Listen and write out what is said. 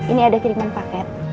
ini ada kiriman paket